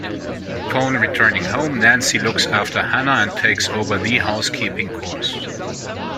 Upon returning home, Nancy looks after Hannah and takes over the housekeeping chores.